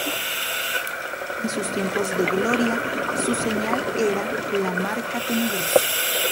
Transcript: En sus tiempos de gloria su señal era la Marca Tenebrosa.